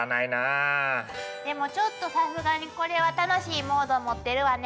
でもちょっとさすがにこれは楽しいモード持ってるわね。